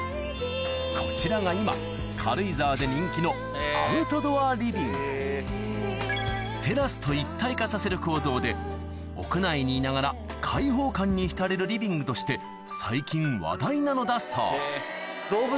こちらが今軽井沢で人気の屋内にいながら開放感に浸れるリビングとして最近話題なのだそう